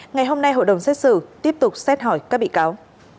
ngày hôm nay hội đồng xét xử tiếp tục xét hỏi các bị cáo